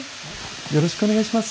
よろしくお願いします。